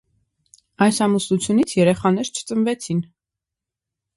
Այս ամուսնությունից երեխաներ չծնվեցին։